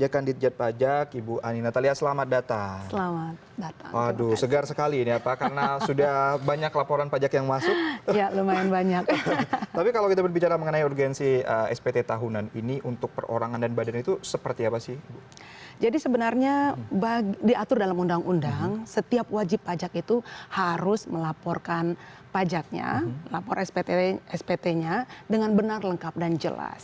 kita akan melaporkan pajaknya lapor spt nya dengan benar lengkap dan jelas